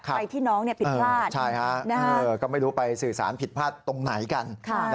ไปที่น้องผิดพลาดก็ไม่รู้ไปสื่อสารผิดพลาดตรงไหนกัน